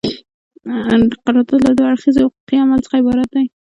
قرارداد له دوه اړخیزه حقوقي عمل څخه عبارت دی.